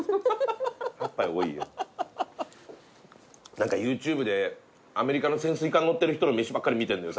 何かＹｏｕＴｕｂｅでアメリカの潜水艦乗ってる人の飯ばっかり見てんのよ